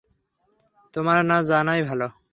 তোমার না জানাই ভালো।